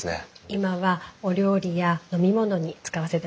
今はお料理や飲み物に使わせてもらってます。